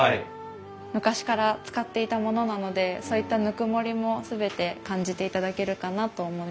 昔から使っていたものなのでそういったぬくもりも全て感じていただけるかなと思いました。